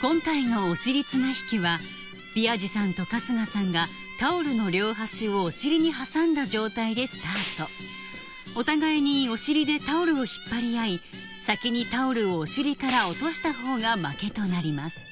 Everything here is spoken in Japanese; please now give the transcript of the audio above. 今回のお尻綱引きは備安士さんと春日さんがタオルの両端をお尻に挟んだ状態でスタートお互いにお尻でタオルを引っ張り合い先にタオルをお尻から落とした方が負けとなります